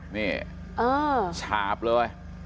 นี่ฉาบเลย